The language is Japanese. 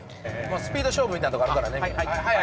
スピード勝負みたいなところあるから。